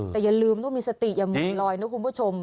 แต่อย่าลืมต้องมีสติอย่ามือลอยนะคุณผู้ชม